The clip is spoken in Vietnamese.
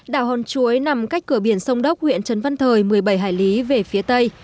đảo hòn chuối nằm cách cửa biển sông đốc huyện trấn văn thời một mươi bảy hải lý về phía tây